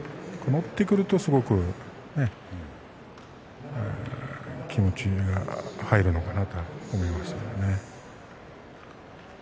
乗ってくるとすごく気持ちが入るのかなと思いますよね。